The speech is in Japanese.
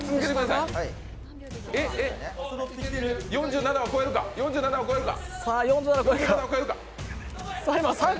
４７を超えるか、４７を超えるか。